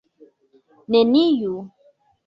Neniu.